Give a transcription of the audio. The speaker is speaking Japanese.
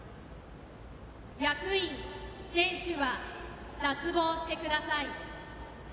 役員、選手は脱帽してください。